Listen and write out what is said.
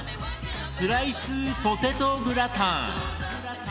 スライスポテトグラタン